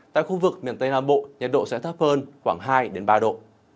tại khu vực miền tây nam bộ nhiệt độ sẽ thấp hơn khoảng hai ba độ